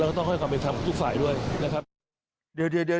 แล้วก็ต้องให้ความเป็นธรรมทุกฝ่ายด้วยนะครับ